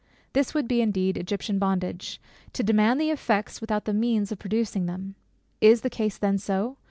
This would be indeed Egyptian bondage, to demand the effects without the means of producing them. Is the case then so?